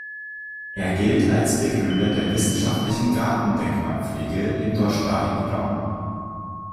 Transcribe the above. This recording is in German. Er gilt als Begründer der wissenschaftlichen Gartendenkmalpflege im deutschsprachigen Raum.